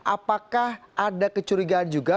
apakah ada kecurigaan juga